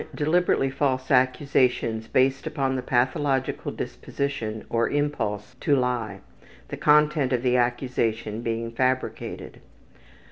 Deliberately false accusations based upon the pathological disposition or impulse to lie; the content of the accusation being fabricated.